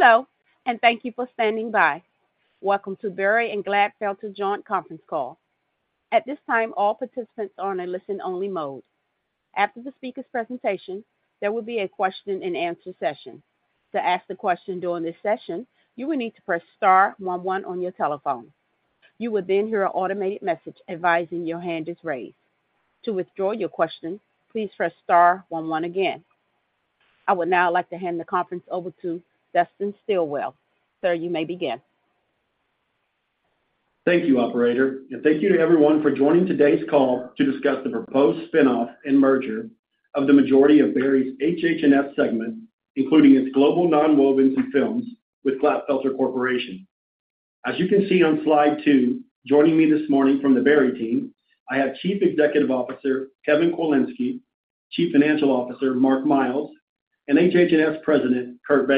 Hello, and thank you for standing by. Welcome to Berry and Glatfelter Joint Conference Call. At this time, all participants are in a listen-only mode. After the speaker's presentation, there will be a question-and-answer session. To ask the question during this session, you will need to press star one one on your telephone. You will then hear an automated message advising your hand is raised. To withdraw your question, please press star one one again. I would now like to hand the conference over to Dustin Stilwell. Sir, you may begin. Thank you, operator, and thank you to everyone for joining today's call to discuss the proposed spin-off and merger of the majority of Berry's HH&S segment, including its global nonwovens and films, with Glatfelter Corporation. As you can see on slide two, joining me this morning from the Berry team, I have Chief Executive Officer, Kevin Kwilinski, Chief Financial Officer, Mark Miles, and HH&S President, Curt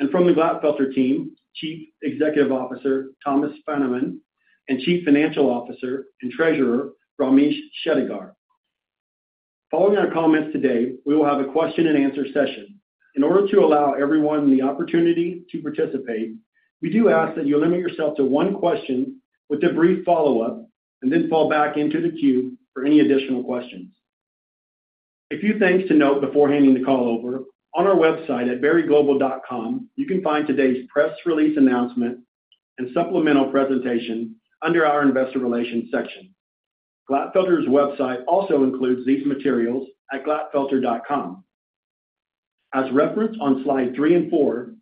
Begle. From the Glatfelter team, Chief Executive Officer, Thomas Fahnemann, and Chief Financial Officer and Treasurer, Ramesh Shettigar. Following our comments today, we will have a question-and-answer session. In order to allow everyone the opportunity to participate, we do ask that you limit yourself to one question with a brief follow-up, and then fall back into the queue for any additional questions. A few things to note before handing the call over. On our website at berryglobal.com, you can find today's press release announcement and supplemental presentation under our Investor Relations section. Glatfelter's website also includes these materials at glatfelter.com. As referenced on slide three and four,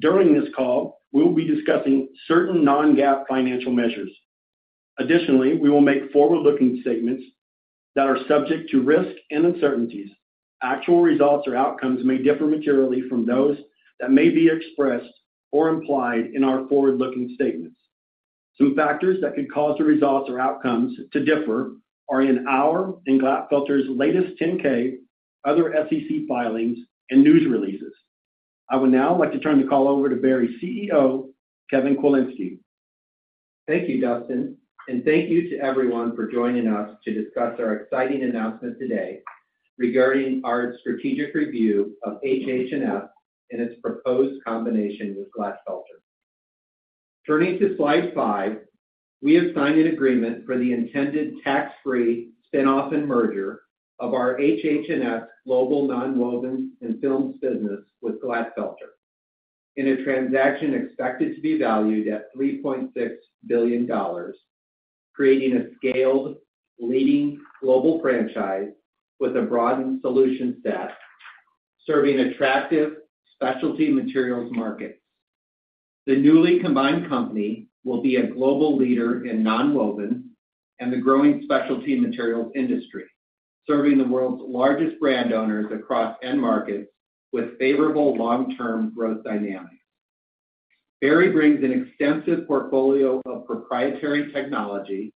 during this call, we will be discussing certain non-GAAP financial measures. Additionally, we will make forward-looking statements that are subject to risks and uncertainties. Actual results or outcomes may differ materially from those that may be expressed or implied in our forward-looking statements. Some factors that could cause the results or outcomes to differ are in our and Glatfelter's latest 10-K, other SEC filings, and news releases. I would now like to turn the call over to Berry's CEO, Kevin Kwilinski. Thank you, Dustin, and thank you to everyone for joining us to discuss our exciting announcement today regarding our strategic review of HH&S and its proposed combination with Glatfelter. Turning to slide five, we have signed an agreement for the intended tax-free spin-off and merger of our HH&S Global Nonwovens and Films business with Glatfelter. In a transaction expected to be valued at $3.6 billion, creating a scaled, leading global franchise with a broadened solution set, serving attractive specialty materials markets. The newly combined company will be a global leader in nonwoven and the growing specialty materials industry, serving the world's largest brand owners across end markets with favorable long-term growth dynamics. Berry brings an extensive portfolio of proprietary technology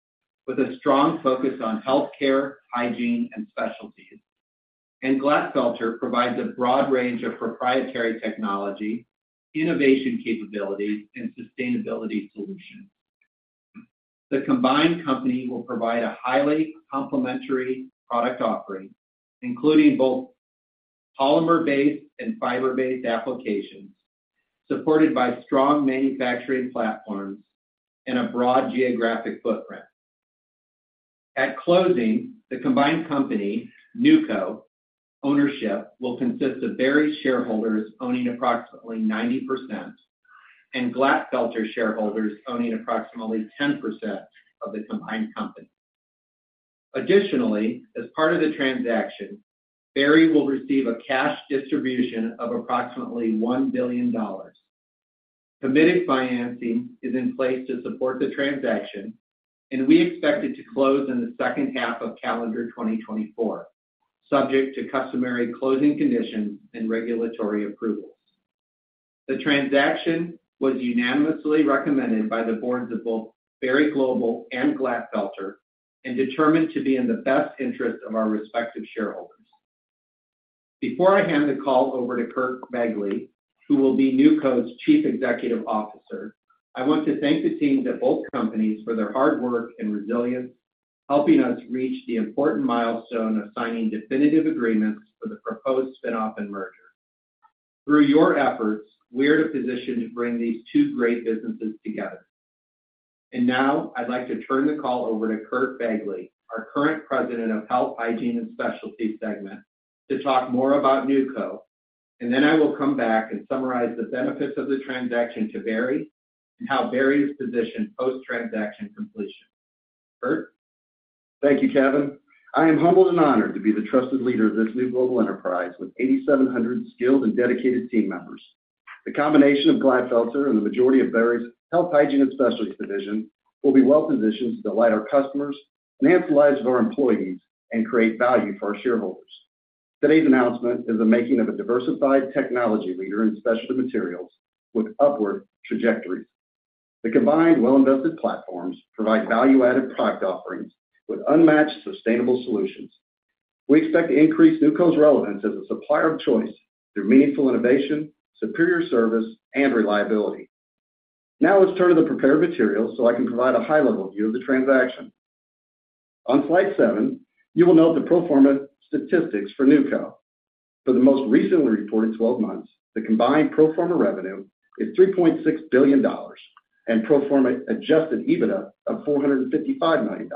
with a strong focus on healthcare, hygiene, and specialties. Glatfelter provides a broad range of proprietary technology, innovation capabilities, and sustainability solutions. The combined company will provide a highly complementary product offering, including both polymer-based and fiber-based applications, supported by strong manufacturing platforms and a broad geographic footprint. At closing, the combined company, NewCo, ownership will consist of Berry shareholders owning approximately 90% and Glatfelter shareholders owning approximately 10% of the combined company. Additionally, as part of the transaction, Berry will receive a cash distribution of approximately $1 billion. Committed financing is in place to support the transaction, and we expect it to close in the second half of calendar 2024, subject to customary closing conditions and regulatory approvals. The transaction was unanimously recommended by the boards of both Berry Global and Glatfelter and determined to be in the best interest of our respective shareholders. Before I hand the call over to Curt Begle, who will be NewCo's Chief Executive Officer, I want to thank the teams at both companies for their hard work and resilience, helping us reach the important milestone of signing definitive agreements for the proposed spin-off and merger. Through your efforts, we're in a position to bring these two great businesses together. And now I'd like to turn the call over to Curt Begle, our current President of Health, Hygiene & Specialties segment, to talk more about NewCo, and then I will come back and summarize the benefits of the transaction to Berry and how Berry is positioned post-transaction completion. Curt? Thank you, Kevin. I am humbled and honored to be the trusted leader of this new global enterprise with 8,700 skilled and dedicated team members. The combination of Glatfelter and the majority of Berry's Health, Hygiene, and Specialties division will be well positioned to delight our customers, enhance the lives of our employees, and create value for our shareholders. Today's announcement is the making of a diversified technology leader in specialty materials with upward trajectories. The combined well-invested platforms provide value-added product offerings with unmatched sustainable solutions. We expect to increase NewCo's relevance as a supplier of choice through meaningful innovation, superior service, and reliability. Now, let's turn to the prepared material so I can provide a high-level view of the transaction.... On slide seven, you will note the pro forma statistics for NewCo. For the most recently reported twelve months, the combined pro forma revenue is $3.6 billion and pro forma adjusted EBITDA of $455 million,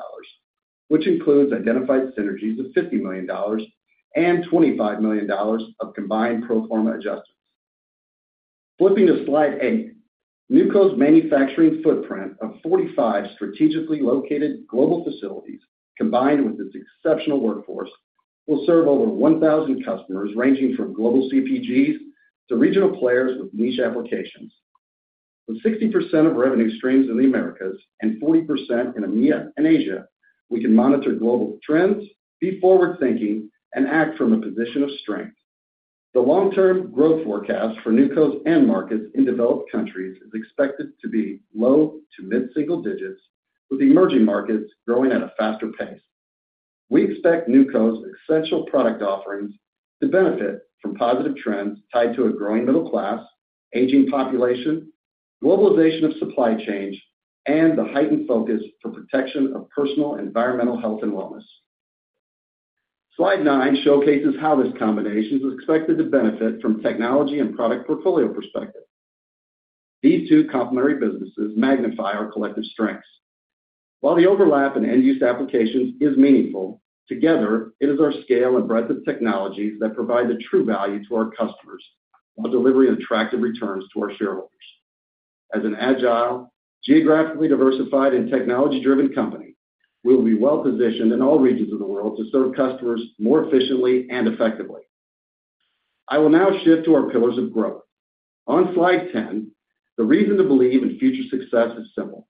which includes identified synergies of $50 million and $25 million of combined pro forma adjustments. Flipping to slide eight, NewCo's manufacturing footprint of 45 strategically located global facilities, combined with its exceptional workforce, will serve over 1,000 customers, ranging from global CPGs to regional players with niche applications. With 60% of revenue streams in the Americas and 40% in EMEA and Asia, we can monitor global trends, be forward-thinking, and act from a position of strength. The long-term growth forecast for NewCo's end markets in developed countries is expected to be low to mid-single digits, with emerging markets growing at a faster pace. We expect NewCo's essential product offerings to benefit from positive trends tied to a growing middle class, aging population, globalization of supply chains, and the heightened focus for protection of personal environmental, health, and wellness. Slide nine showcases how this combination is expected to benefit from technology and product portfolio perspective. These two complementary businesses magnify our collective strengths. While the overlap in end-use applications is meaningful, together, it is our scale and breadth of technologies that provide the true value to our customers, while delivering attractive returns to our shareholders. As an agile, geographically diversified, and technology-driven company, we will be well-positioned in all regions of the world to serve customers more efficiently and effectively. I will now shift to our pillars of growth. On slide ten, the reason to believe in future success is simple.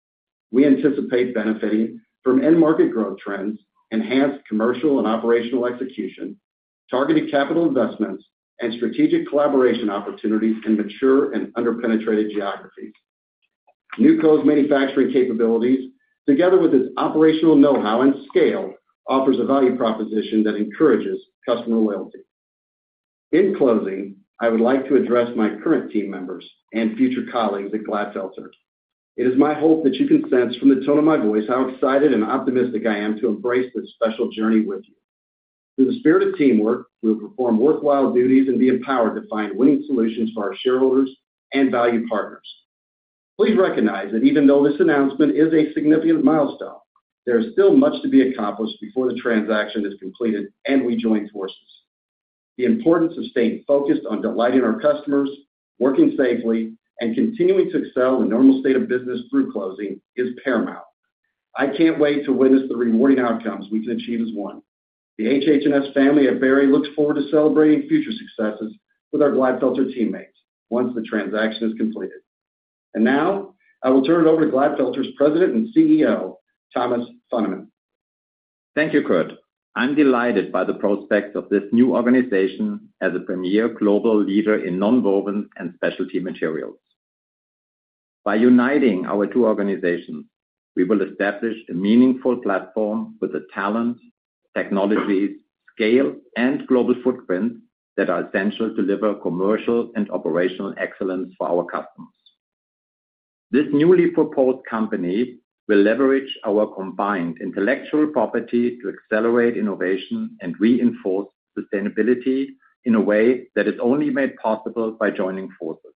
We anticipate benefiting from end-market growth trends, enhanced commercial and operational execution, targeted capital investments, and strategic collaboration opportunities in mature and under-penetrated geographies. NewCo's manufacturing capabilities, together with its operational know-how and scale, offers a value proposition that encourages customer loyalty. In closing, I would like to address my current team members and future colleagues at Glatfelter. It is my hope that you can sense from the tone of my voice how excited and optimistic I am to embrace this special journey with you. Through the spirit of teamwork, we will perform worthwhile duties and be empowered to find winning solutions for our shareholders and value partners. Please recognize that even though this announcement is a significant milestone, there is still much to be accomplished before the transaction is completed and we join forces. The importance of staying focused on delighting our customers, working safely, and continuing to excel in normal state of business through closing is paramount. I can't wait to witness the rewarding outcomes we can achieve as one. The HH&S family at Berry looks forward to celebrating future successes with our Glatfelter teammates once the transaction is completed. Now, I will turn it over to Glatfelter's President and CEO, Thomas Fahnemann. Thank you, Curt. I'm delighted by the prospects of this new organization as a premier global leader in nonwoven and specialty materials. By uniting our two organizations, we will establish a meaningful platform with the talent, technology, scale, and global footprint that are essential to deliver commercial and operational excellence for our customers. This newly proposed company will leverage our combined intellectual property to accelerate innovation and reinforce sustainability in a way that is only made possible by joining forces.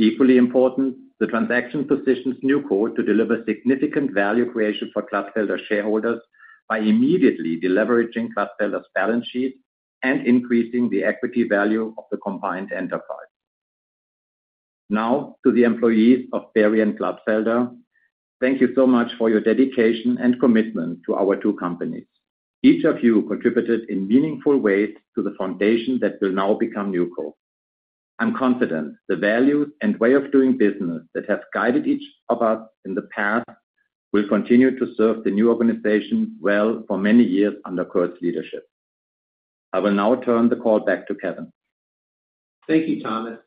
Equally important, the transaction positions NewCo to deliver significant value creation for Glatfelter shareholders by immediately deleveraging Glatfelter's balance sheet and increasing the equity value of the combined enterprise. Now, to the employees of Berry and Glatfelter, thank you so much for your dedication and commitment to our two companies. Each of you contributed in meaningful ways to the foundation that will now become NewCo. I'm confident the values and way of doing business that have guided each of us in the past will continue to serve the new organization well for many years under Curt's leadership. I will now turn the call back to Kevin. Thank you, Thomas.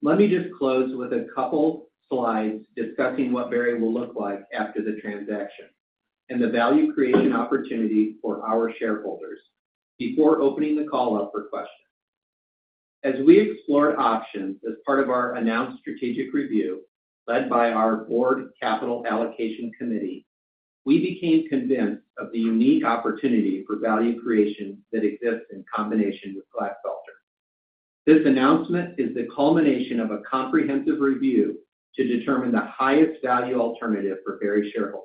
Let me just close with a couple slides discussing what Berry will look like after the transaction and the value creation opportunity for our shareholders before opening the call up for questions. As we explored options as part of our announced strategic review, led by our board capital allocation committee, we became convinced of the unique opportunity for value creation that exists in combination with Glatfelter. This announcement is the culmination of a comprehensive review to determine the highest value alternative for Berry shareholders.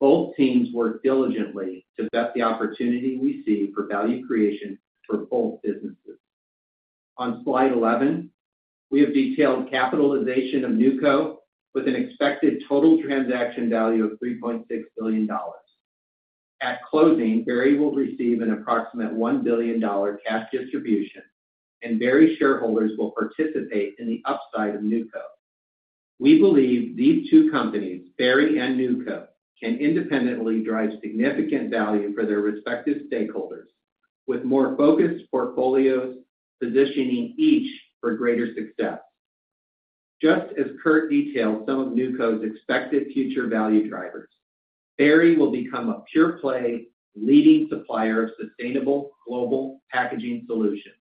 Both teams worked diligently to vet the opportunity we see for value creation for both businesses. On slide 11, we have detailed capitalization of NewCo with an expected total transaction value of $3.6 billion. At closing, Berry will receive an approximate $1 billion cash distribution, and Berry shareholders will participate in the upside of NewCo. We believe these two companies, Berry and NewCo, can independently drive significant value for their respective stakeholders, with more focused portfolios positioning each for greater success. Just as Kurt detailed some of NewCo's expected future value drivers, Berry will become a pure-play leading supplier of sustainable global packaging solutions.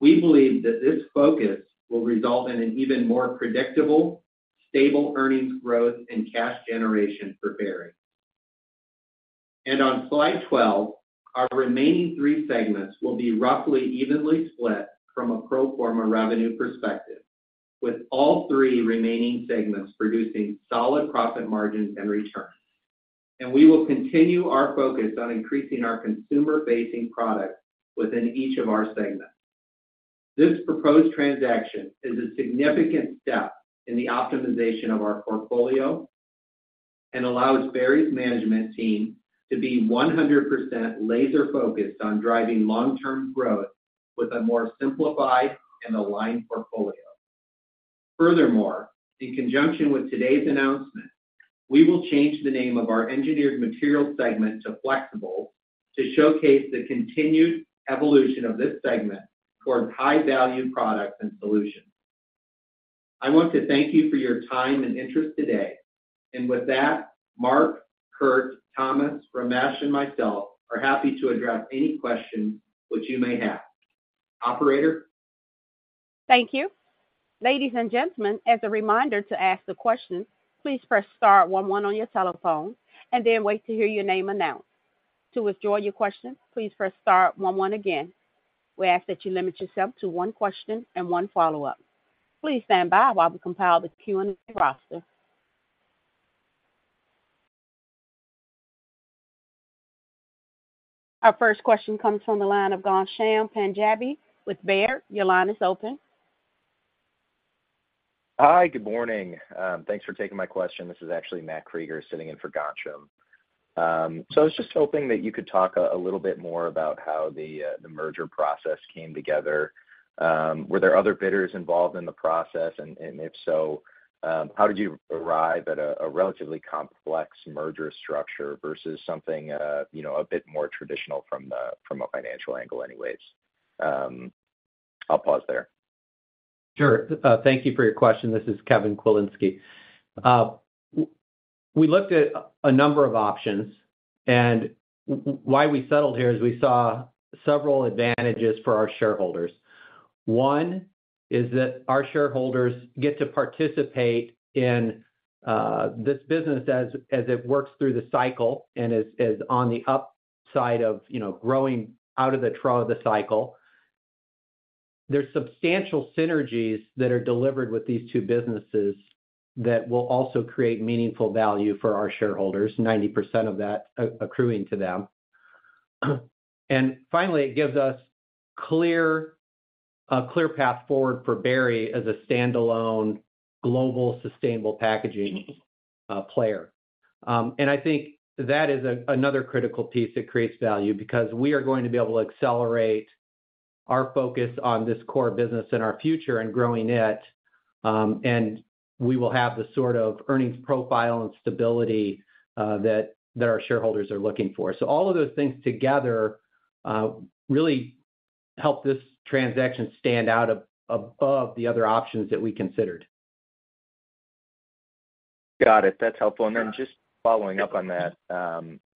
We believe that this focus will result in an even more predictable, stable earnings growth and cash generation for Berry. On slide 12, our remaining three segments will be roughly evenly split from a pro forma revenue perspective, with all three remaining segments producing solid profit margins and returns. We will continue our focus on increasing our consumer-facing products within each of our segments. This proposed transaction is a significant step in the optimization of our portfolio and allows Berry's management team to be 100% laser-focused on driving long-term growth with a more simplified and aligned portfolio. Furthermore, in conjunction with today's announcement, we will change the name of our Engineered Materials segment to Flexibles to showcase the continued evolution of this segment towards high-value products and solutions. I want to thank you for your time and interest today, and with that, Mark, Curt, Thomas, Ramesh, and myself are happy to address any questions which you may have. Operator? Thank you. Ladies and gentlemen, as a reminder to ask the question, please press star one one on your telephone and then wait to hear your name announced. To withdraw your question, please press star one one again. We ask that you limit yourself to one question and one follow-up. Please stand by while we compile the Q&A roster. Our first question comes from the line of Ghansham Panjabi with Baird. Your line is open. Hi, good morning. Thanks for taking my question. This is actually Matt Krueger sitting in for Ghansham. So I was just hoping that you could talk a little bit more about how the merger process came together. Were there other bidders involved in the process? And if so, how did you arrive at a relatively complex merger structure versus something, you know, a bit more traditional from a financial angle anyways? I'll pause there. Sure. Thank you for your question. This is Kevin Kwilinski. We looked at a number of options, and why we settled here is we saw several advantages for our shareholders. One is that our shareholders get to participate in this business as it works through the cycle and is on the upside of, you know, growing out of the trough of the cycle. There's substantial synergies that are delivered with these two businesses that will also create meaningful value for our shareholders, 90% of that accruing to them. And finally, it gives us a clear path forward for Berry as a standalone global sustainable packaging player. And I think that is another critical piece that creates value because we are going to be able to accelerate our focus on this core business and our future and growing it, and we will have the sort of earnings profile and stability that our shareholders are looking for. So all of those things together really help this transaction stand out above the other options that we considered. Got it. That's helpful. Yeah. Then just following up on that,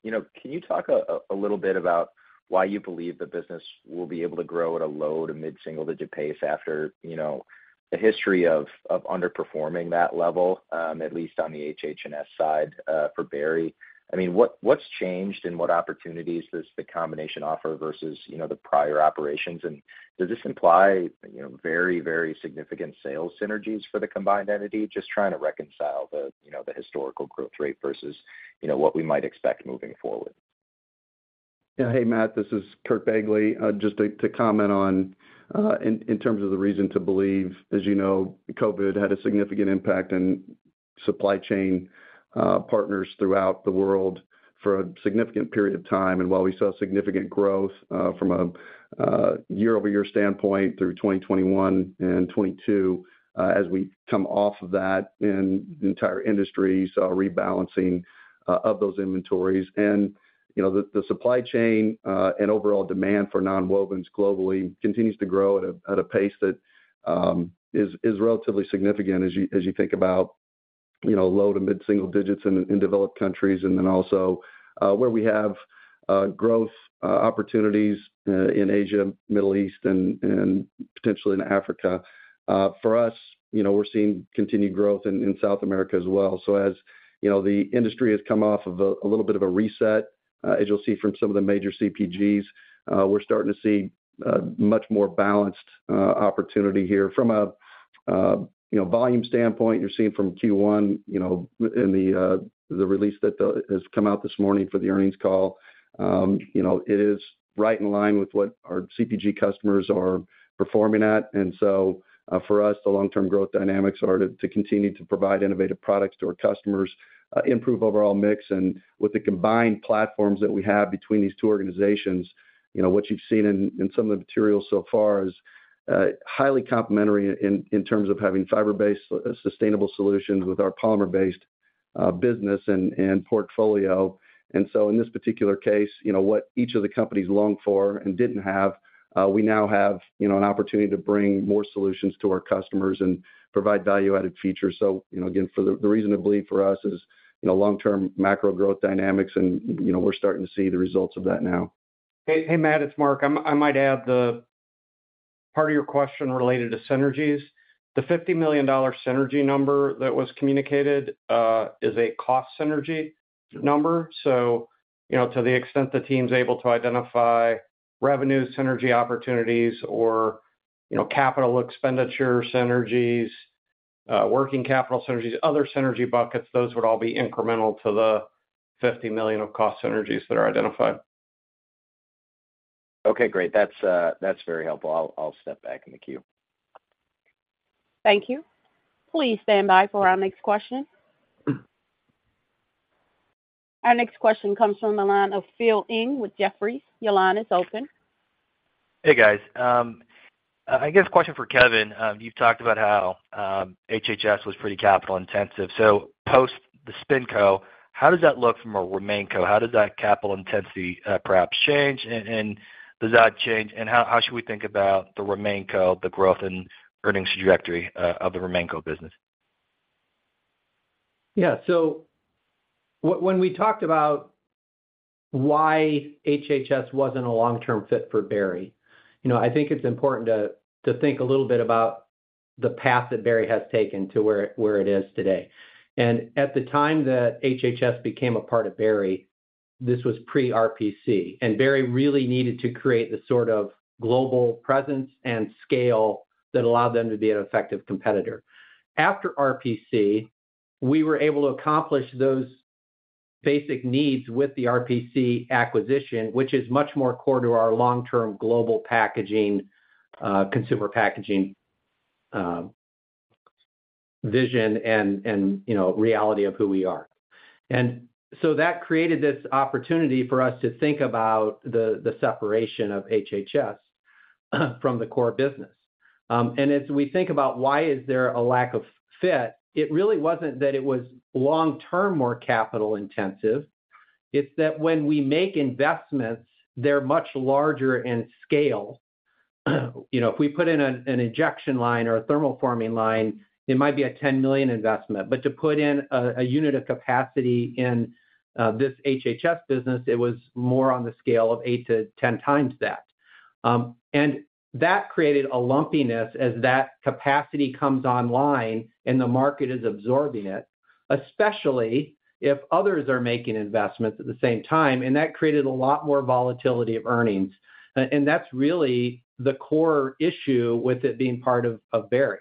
you know, can you talk a little bit about why you believe the business will be able to grow at a low- to mid-single-digit pace after, you know, the history of underperforming that level, at least on the HH&S side, for Berry? I mean, what's changed, and what opportunities does the combination offer versus, you know, the prior operations? And does this imply, you know, very, very significant sales synergies for the combined entity? Just trying to reconcile the, you know, the historical growth rate versus, you know, what we might expect moving forward. Yeah. Hey, Matt, this is Curt Begle. Just to comment on, in terms of the reason to believe, as you know, COVID had a significant impact in supply chain partners throughout the world for a significant period of time. And while we saw significant growth from a year-over-year standpoint through 2021 and 2022, as we come off of that, and the entire industry saw rebalancing of those inventories. And, you know, the supply chain and overall demand for nonwovens globally continues to grow at a pace that is relatively significant as you think about, you know, low- to mid-single digits in developed countries and then also where we have growth opportunities in Asia, Middle East, and potentially in Africa. For us, you know, we're seeing continued growth in South America as well. So as, you know, the industry has come off of a little bit of a reset, as you'll see from some of the major CPGs, we're starting to see a much more balanced opportunity here. From a, you know, volume standpoint, you're seeing from Q1, you know, in the release that has come out this morning for the earnings call, you know, it is right in line with what our CPG customers are performing at. And so, for us, the long-term growth dynamics are to continue to provide innovative products to our customers, improve overall mix. With the combined platforms that we have between these two organizations, you know, what you've seen in some of the materials so far is highly complementary in terms of having fiber-based sustainable solutions with our polymer-based business and portfolio. So in this particular case, you know, what each of the companies longed for and didn't have, we now have, you know, an opportunity to bring more solutions to our customers and provide value-added features. You know, again, for the reason to believe for us is, you know, long-term macro growth dynamics, and, you know, we're starting to see the results of that now. Hey, hey, Matt, it's Mark. I might add the...Part of your question related to synergies. The $50 million synergy number that was communicated is a cost synergy number. So, you know, to the extent the team's able to identify revenue synergy opportunities or, you know, capital expenditure synergies, working capital synergies, other synergy buckets, those would all be incremental to the $50 million of cost synergies that are identified. Okay, great. That's very helpful. I'll step back in the queue. Thank you. Please stand by for our next question. Our next question comes from the line of Phil Ng with Jefferies. Your line is open. Hey, guys. I guess a question for Kevin. You've talked about how HH&S was pretty capital intensive. So post the SpinCo, how does that look from a RemainCo? How does that capital intensity perhaps change? And does that change, and how should we think about the RemainCo, the growth and earnings trajectory of the RemainCo business? Yeah. So when we talked about why HH&S wasn't a long-term fit for Berry, you know, I think it's important to think a little bit about the path that Berry has taken to where it is today. And at the time that HH&S became a part of Berry, this was pre-RPC, and Berry really needed to create the sort of global presence and scale that allowed them to be an effective competitor. After RPC, we were able to accomplish those basic needs with the RPC acquisition, which is much more core to our long-term global packaging, consumer packaging, vision and, you know, reality of who we are. And so that created this opportunity for us to think about the separation of HH&S from the core business. As we think about why is there a lack of fit, it really wasn't that it was long-term, more capital intensive. It's that when we make investments, they're much larger in scale. You know, if we put in an injection line or a thermal forming line, it might be a $10 million investment. But to put in a unit of capacity in this HH&S business, it was more on the scale of 8x to 10x that. And that created a lumpiness as that capacity comes online, and the market is absorbing it, especially if others are making investments at the same time, and that created a lot more volatility of earnings. And that's really the core issue with it being part of Berry.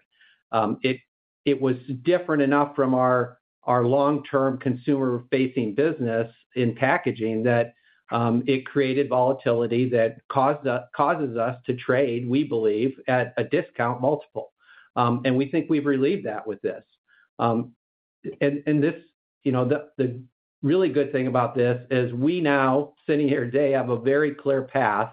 It was different enough from our long-term consumer-facing business in packaging that it created volatility that caused us—causes us to trade, we believe, at a discount multiple. And we think we've relieved that with this. And this, you know, the really good thing about this is we now, sitting here today, have a very clear path,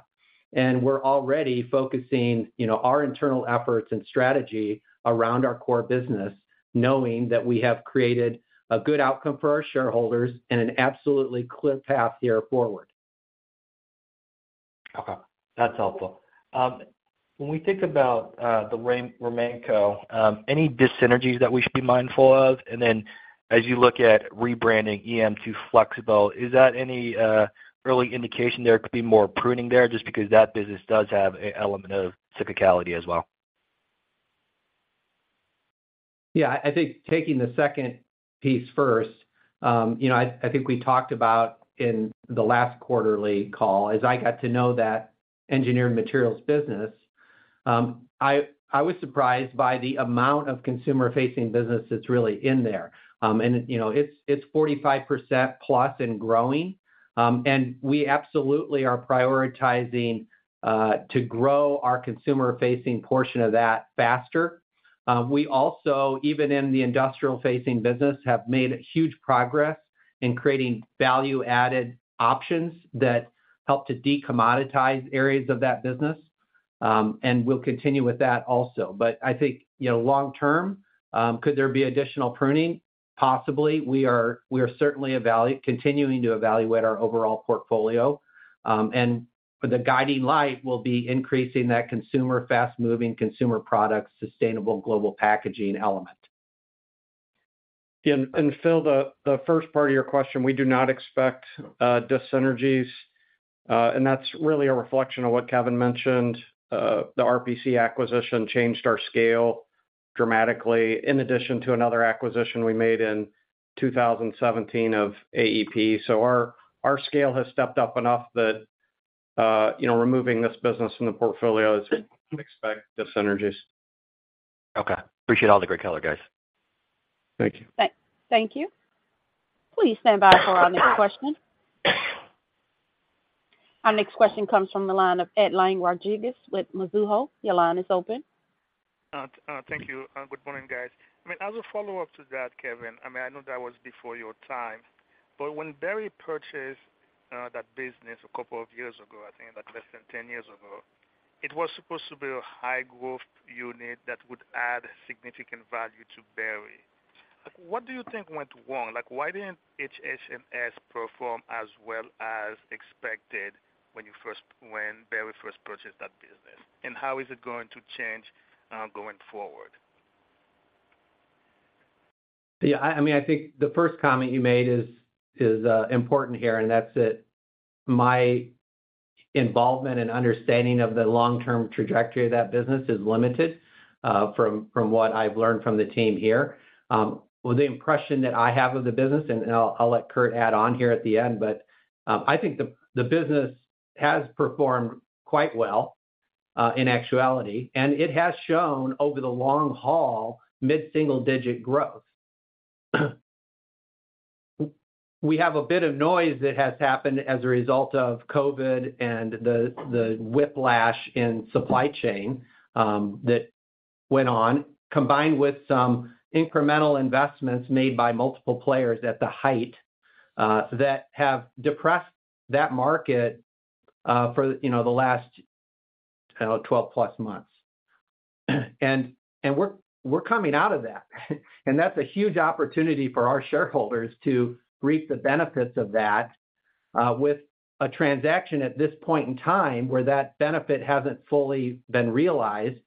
and we're already focusing, you know, our internal efforts and strategy around our core business, knowing that we have created a good outcome for our shareholders and an absolutely clear path here forward. Okay, that's helpful. When we think about the RemainCo, any dyssynergies that we should be mindful of? And then as you look at rebranding EM to Flexibles, is that any early indication there could be more pruning there, just because that business does have an element of cyclicality as well? Yeah. I think taking the second piece first, you know, I think we talked about in the last quarterly call, as I got to know that Engineered Materials business, I was surprised by the amount of consumer-facing business that's really in there. And, you know, it's 45%+ and growing. And we absolutely are prioritizing to grow our consumer-facing portion of that faster. We also, even in the industrial-facing business, have made huge progress in creating value-added options that help to decommoditize areas of that business. And we'll continue with that also. But I think, you know, long term, could there be additional pruning? Possibly. We are certainly continuing to evaluate our overall portfolio. And for the guiding light, we'll be increasing that consumer, fast-moving consumer product, sustainable global packaging element. Phil, the first part of your question, we do not expect dyssynergies, and that's really a reflection of what Kevin mentioned. The RPC acquisition changed our scale dramatically, in addition to another acquisition we made in 2017 of AEP. So our scale has stepped up enough that, you know, removing this business from the portfolio, we expect dyssynergies. Okay. Appreciate all the great color, guys. Thank you. Thank you. Please stand by for our next question. Our next question comes from the line of Edlain Rodriguez with Mizuho. Your line is open. Thank you, and good morning, guys. I mean, as a follow-up to that, Kevin, I mean, I know that was before your time, but when Berry purchased that business a couple of years ago, I think about less than 10 years ago, it was supposed to be a high-growth unit that would add significant value to Berry. What do you think went wrong? Like, why didn't HH&S perform as well as expected when Berry first purchased that business? And how is it going to change, going forward?... Yeah, I mean, I think the first comment you made is important here, and that's that my involvement and understanding of the long-term trajectory of that business is limited from what I've learned from the team here. Well, the impression that I have of the business, and I'll let Curt add on here at the end, but I think the business has performed quite well in actuality, and it has shown over the long haul, mid-single-digit growth. We have a bit of noise that has happened as a result of COVID and the whiplash in supply chain that went on, combined with some incremental investments made by multiple players at the height that have depressed that market for you know the last twelve-plus months. And we're coming out of that. And that's a huge opportunity for our shareholders to reap the benefits of that with a transaction at this point in time, where that benefit hasn't fully been realized,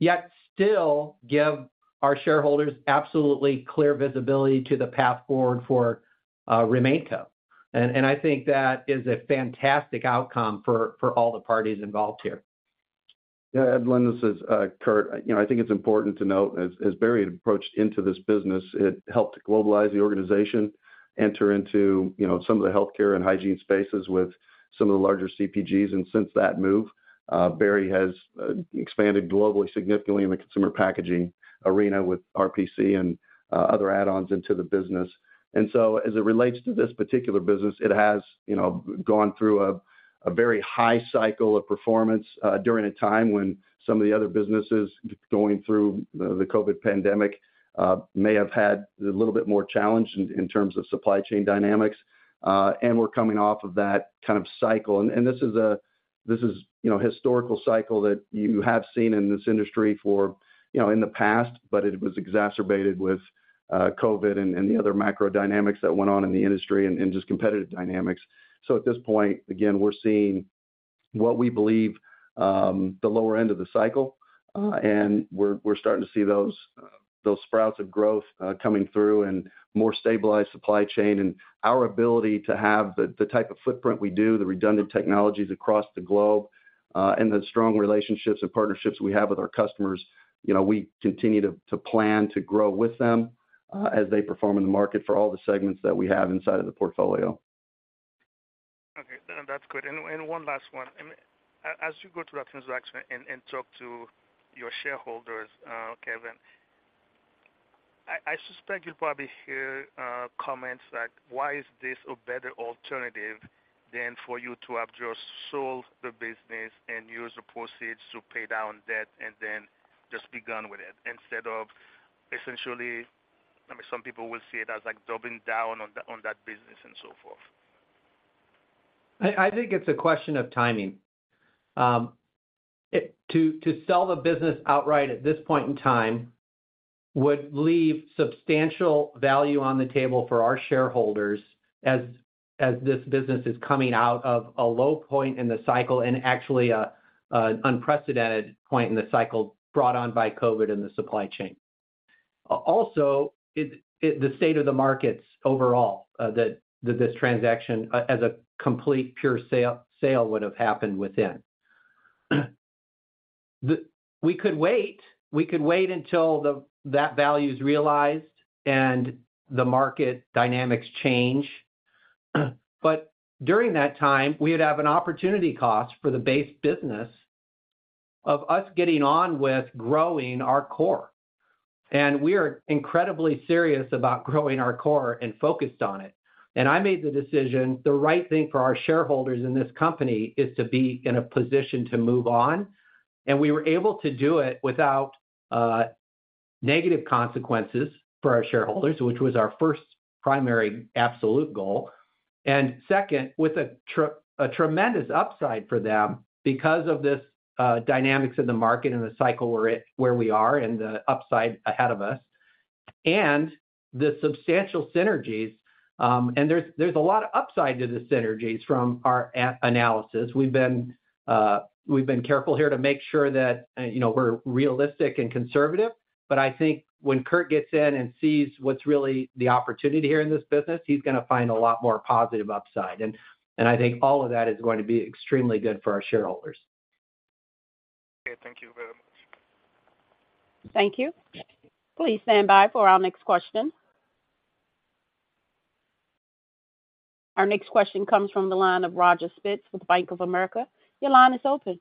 yet still give our shareholders absolutely clear visibility to the path forward for RemainCo. And I think that is a fantastic outcome for all the parties involved here. Yeah, Edlain this is, Curt. You know, I think it's important to note, as Berry approached into this business, it helped to globalize the organization, enter into, you know, some of the healthcare and hygiene spaces with some of the larger CPGs. And since that move, Berry has expanded globally, significantly in the consumer packaging arena with RPC and other add-ons into the business. And so as it relates to this particular business, it has, you know, gone through a very high cycle of performance, during a time when some of the other businesses going through the COVID pandemic may have had a little bit more challenge in terms of supply chain dynamics. And we're coming off of that kind of cycle. This is, you know, a historical cycle that you have seen in this industry for, you know, in the past, but it was exacerbated with COVID and the other macro dynamics that went on in the industry and just competitive dynamics. So at this point, again, we're seeing what we believe the lower end of the cycle, and we're starting to see those sprouts of growth coming through and more stabilized supply chain. And our ability to have the type of footprint we do, the redundant technologies across the globe, and the strong relationships and partnerships we have with our customers, you know, we continue to plan to grow with them, as they perform in the market for all the segments that we have inside of the portfolio. Okay, that's good. And one last one. And as you go through that transaction and talk to your shareholders, Kevin, I suspect you'll probably hear comments like, why is this a better alternative than for you to have just sold the business and use the proceeds to pay down debt and then just be done with it, instead of essentially, I mean, some people will see it as like doubling down on that business and so forth. I think it's a question of timing. To sell the business outright at this point in time would leave substantial value on the table for our shareholders as this business is coming out of a low point in the cycle and actually an unprecedented point in the cycle brought on by COVID and the supply chain. Also, the state of the markets overall that this transaction as a complete pure sale would have happened within. We could wait. We could wait until that value is realized and the market dynamics change. But during that time, we would have an opportunity cost for the base business of us getting on with growing our core. And we are incredibly serious about growing our core and focused on it. And I made the decision, the right thing for our shareholders in this company is to be in a position to move on. And we were able to do it without negative consequences for our shareholders, which was our first primary absolute goal. And second, with a tremendous upside for them because of this dynamics of the market and the cycle we're at, where we are and the upside ahead of us, and the substantial synergies. And there's a lot of upside to the synergies from our analysis. We've been careful here to make sure that you know, we're realistic and conservative, but I think when Curt gets in and sees what's really the opportunity here in this business, he's gonna find a lot more positive upside. And, I think all of that is going to be extremely good for our shareholders. Okay. Thank you very much. Thank you. Please stand by for our next question. Our next question comes from the line of Roger Spitz with Bank of America. Your line is open.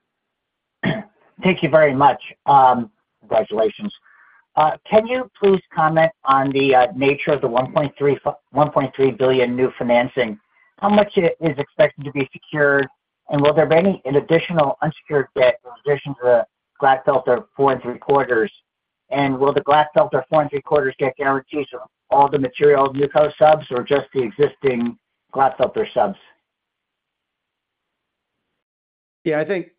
Thank you very much. Congratulations. Can you please comment on the nature of the $1.3 billion new financing? How much is expected to be secured, and will there be any additional unsecured debt in addition to the Glatfelter four and three quarters? And will the Glatfelter four and three quarters get guarantees from all the material NewCo subs or just the existing Glatfelter subs? Yeah, I think,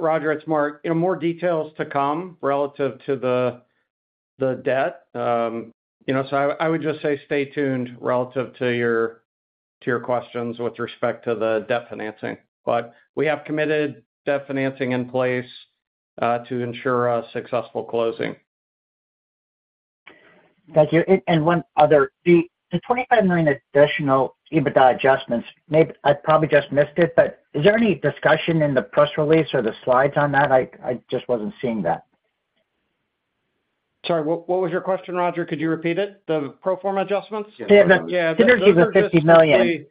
Roger, it's Mark. You know, more details to come relative to the debt. You know, so I would just say stay tuned relative to your questions with respect to the debt financing. But we have committed debt financing in place to ensure a successful closing. Thank you. And one other, the $25 million additional EBITDA adjustments, maybe I probably just missed it, but is there any discussion in the press release or the slides on that? I just wasn't seeing that. Sorry, what, what was your question, Roger? Could you repeat it? The pro forma adjustments? Yeah, the synergies of $50 million.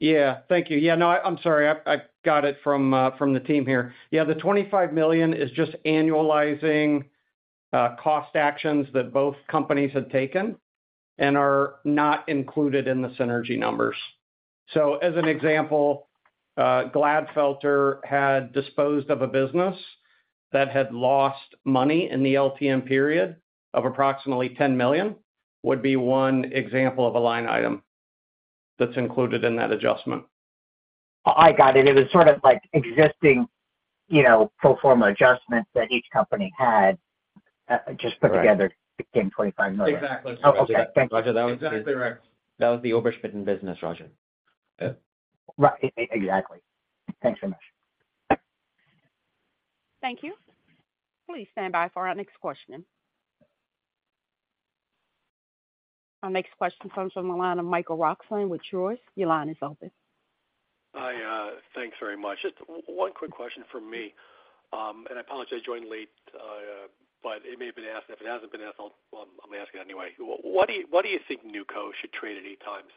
Yeah. Thank you. Yeah, no, I'm sorry. I, I got it from, from the team here. Yeah, the $25 million is just annualizing cost actions that both companies had taken and are not included in the synergy numbers. So as an example, Glatfelter had disposed of a business that had lost money in the LTM period of approximately $10 million, would be one example of a line item that's included in that adjustment. I got it. It was sort of like existing, you know, pro forma adjustments that each company had just put together, became $25 million. Exactly. Okay, thank you. Roger, that was exactly right. That was the Ober-Schmitten business, Roger. Right. Exactly. Thanks so much. Thank you. Please stand by for our next question. Our next question comes from the line of Michael Roxland with Truist. Your line is open. Hi, thanks very much. Just one quick question from me. And I apologize, I joined late, but it may have been asked. If it hasn't been asked, I'll, well, I'm asking anyway. What do you think NewCo should trade at 8x?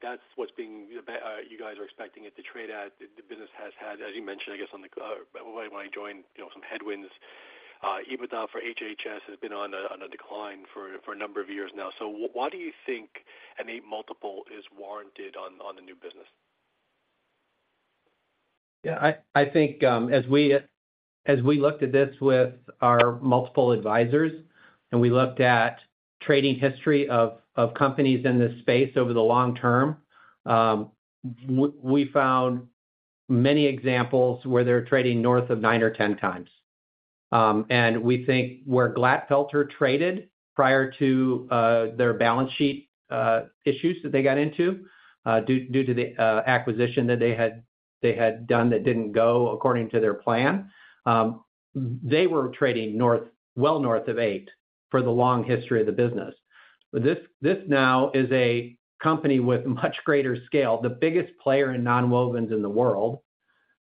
That's what's being, you guys are expecting it to trade at. The business has had, as you mentioned, I guess, when I joined, you know, some headwinds. EBITDA for HH&S has been on a decline for a number of years now. So why do you think an 8x multiple is warranted on the new business? Yeah, I think as we looked at this with our multiple advisors, and we looked at trading history of companies in this space over the long term, we found many examples where they're trading north of 9x or 10x. And we think where Glatfelter traded prior to their balance sheet issues that they got into due to the acquisition that they had done that didn't go according to their plan. They were trading north, well north of 8x for the long history of the business. But this now is a company with much greater scale, the biggest player in nonwovens in the world,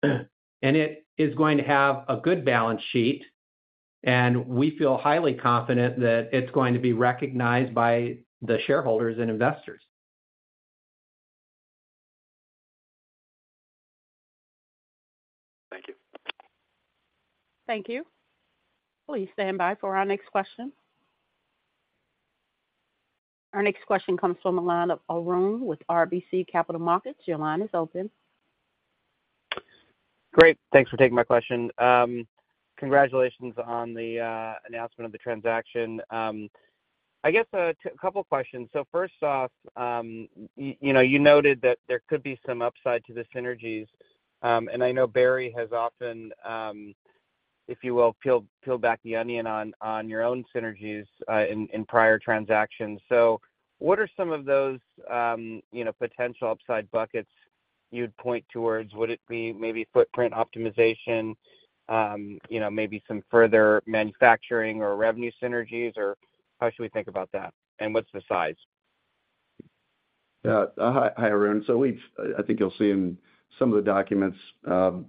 and it is going to have a good balance sheet, and we feel highly confident that it's going to be recognized by the shareholders and investors. Thank you. Thank you. Please stand by for our next question. Our next question comes from the line of Arun with RBC Capital Markets. Your line is open. Great, thanks for taking my question. Congratulations on the announcement of the transaction. I guess a couple of questions. So first off, you know, you noted that there could be some upside to the synergies. And I know Berry has often, if you will, peeled back the onion on your own synergies in prior transactions. So what are some of those, you know, potential upside buckets you'd point towards? Would it be maybe footprint optimization, you know, maybe some further manufacturing or revenue synergies, or how should we think about that? And what's the size? Yeah. Hi, hi, Arun. So we've, I think you'll see in some of the documents,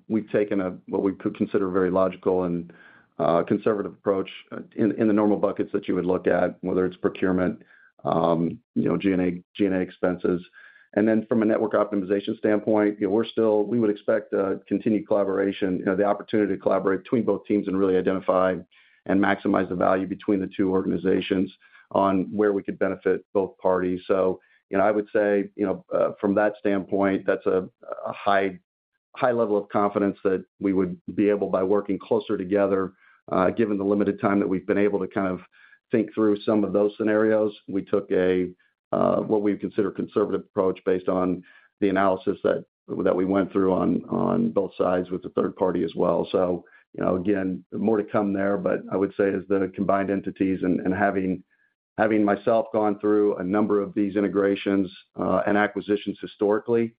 we've taken a, what we could consider a very logical and conservative approach in the normal buckets that you would look at, whether it's procurement, you know, G&A, G&A expenses. And then from a network optimization standpoint, you know, we're still, we would expect continued collaboration, you know, the opportunity to collaborate between both teams and really identify and maximize the value between the two organizations on where we could benefit both parties. So, you know, I would say, you know, from that standpoint, that's a high level of confidence that we would be able by working closer together, given the limited time that we've been able to kind of think through some of those scenarios. We took a what we'd consider conservative approach based on the analysis that we went through on both sides with the third party as well. So, you know, again, more to come there, but I would say as the combined entities and having myself gone through a number of these integrations and acquisitions historically,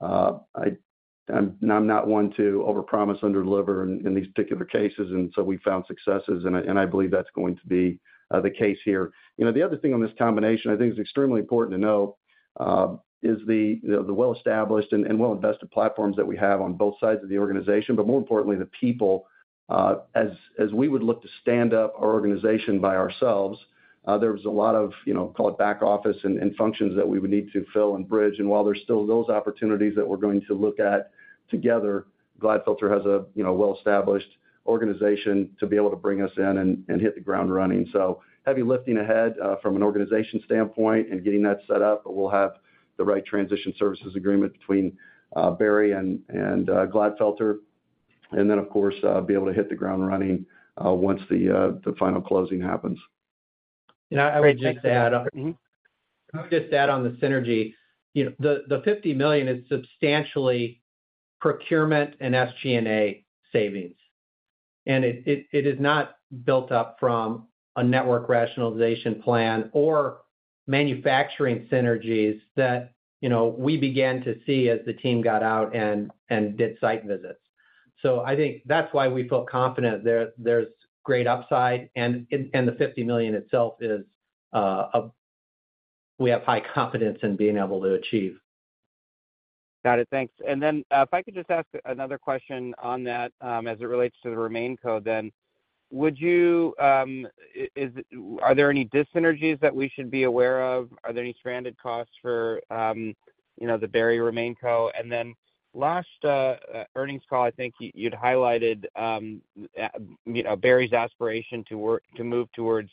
I'm not one to overpromise, underdeliver in these particular cases, and so we found successes, and I believe that's going to be the case here. You know, the other thing on this combination, I think is extremely important to note, is the, you know, the well-established and well-invested platforms that we have on both sides of the organization, but more importantly, the people, as we would look to stand up our organization by ourselves, there was a lot of, you know, call it back office and functions that we would need to fill and bridge. While there's still those opportunities that we're going to look at together, Glatfelter has a, you know, well-established organization to be able to bring us in and hit the ground running. So heavy lifting ahead, from an organization standpoint and getting that set up, but we'll have the right transition services agreement between Berry and Glatfelter, and then, of course, be able to hit the ground running, once the final closing happens. You know, I would just add- Mm-hmm. I would just add on the synergy. You know, the $50 million is substantially procurement and SG&A savings. And it is not built up from a network rationalization plan or manufacturing synergies that, you know, we began to see as the team got out and did site visits. So I think that's why we feel confident there, there's great upside, and the $50 million itself is we have high confidence in being able to achieve. Got it. Thanks. And then, if I could just ask another question on that, as it relates to the RemainCo, then would you, are there any dyssynergies that we should be aware of? Are there any stranded costs for, you know, the Berry RemainCo? And then last, earnings call, I think you, you'd highlighted, you know, Berry's aspiration to work, to move towards,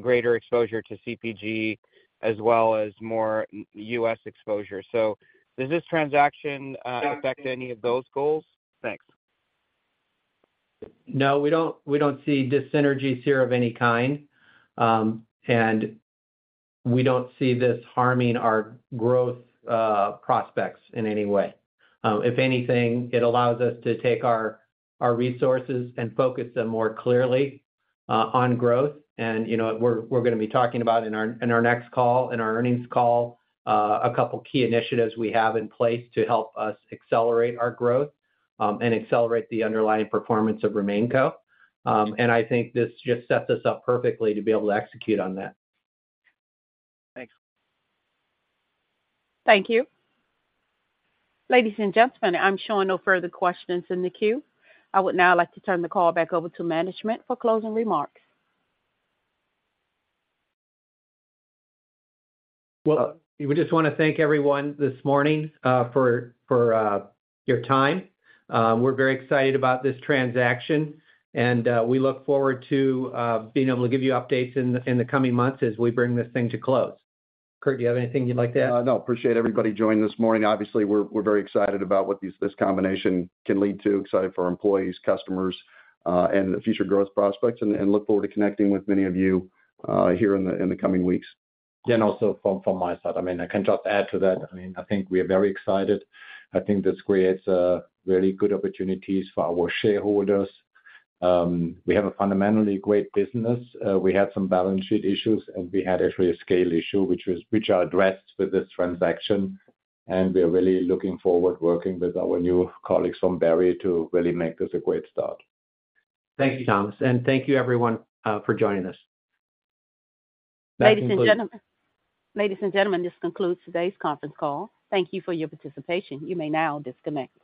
greater exposure to CPG as well as more U.S. exposure. So does this transaction, affect any of those goals? Thanks. No, we don't, we don't see dyssynergies here of any kind. And we don't see this harming our growth prospects in any way. If anything, it allows us to take our resources and focus them more clearly on growth. And, you know, we're gonna be talking about in our next call, in our earnings call, a couple of key initiatives we have in place to help us accelerate our growth, and accelerate the underlying performance of RemainCo. And I think this just sets us up perfectly to be able to execute on that. Thanks. Thank you. Ladies and gentlemen, I'm sure no further questions in the queue. I would now like to turn the call back over to management for closing remarks. Well, we just want to thank everyone this morning for your time. We're very excited about this transaction, and we look forward to being able to give you updates in the coming months as we bring this thing to close. Curt, do you have anything you'd like to add? No. Appreciate everybody joining this morning. Obviously, we're very excited about what this combination can lead to. Excited for our employees, customers, and the future growth prospects, and look forward to connecting with many of you, here in the coming weeks. Yeah, and also from my side, I mean, I can just add to that. I mean, I think we are very excited. I think this creates really good opportunities for our shareholders. We have a fundamentally great business. We had some balance sheet issues, and we had actually a scale issue, which are addressed with this transaction, and we are really looking forward to working with our new colleagues from Berry to really make this a great start. Thank you, Thomas, and thank you, everyone, for joining us. Ladies and gentlemen, this concludes today's conference call. Thank you for your participation. You may now disconnect.